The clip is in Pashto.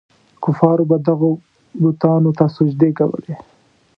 کفارو به دغو بتانو ته سجدې کولې.